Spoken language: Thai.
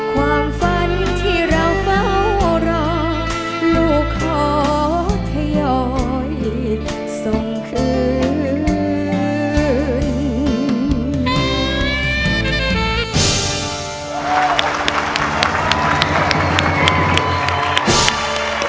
ความฝันที่เราเฝ้ารอลูกขอทยอยส่งคืน